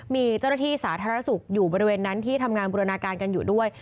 มีเจ้าหน้าที่สาธารณสุขอยู่บริเวณนั้นที่ทำงานบูรณาการกันอยู่ด้วย